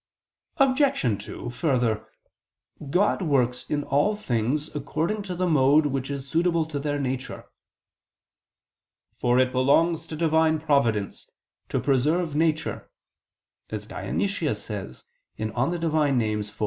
Obj. 2: Further, God works in all things according to the mode which is suitable to their nature: for "it belongs to Divine providence to preserve nature," as Dionysius says (Div. Nom. iv).